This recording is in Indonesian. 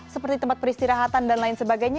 seperti tempat peristirahatan dan lain sebagainya